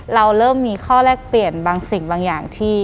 เราเริ่มมีข้อแลกเปลี่ยนบางสิ่งบางอย่างที่